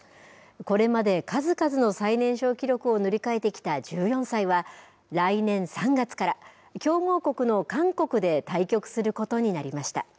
これまで数々の最年少記録を塗り替えてきた１４歳は、来年３月から、強豪国の韓国で対局することになりました。